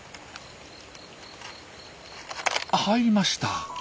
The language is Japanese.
入りました。